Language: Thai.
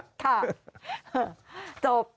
ค่ะจบ